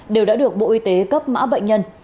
đều đã được bộ y tế cấp mã bệnh nhân